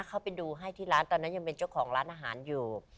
เข้าไปดูให้ที่ร้านตอนนั้นยังเป็นเจ้าของร้านอาหารอยู่